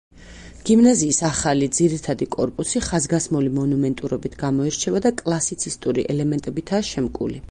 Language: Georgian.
გიმნაზიის ახალი, ძირითადი კორპუსი ხაზგასმული მონუმენტურობით გამოირჩევა და კლასიცისტური ელემენტებითაა შემკული.